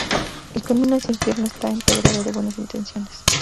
El camino hacia infierno está empedrado de buenas intenciones